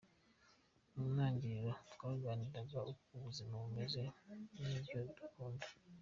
Mu ntangiriro twaganiraga uko ubuzima bumeze n’ibyo dukunda.